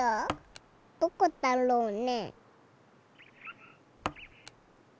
どこだろうね？